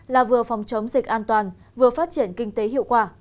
là vừa phòng chống dịch an toàn vừa phát triển kinh tế hiệu quả